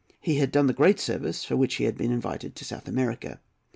He had done the great service for which he had been invited to South America.